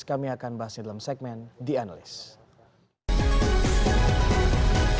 kami akan bahasnya dalam segmen the analyst